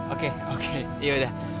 oke oke ya udah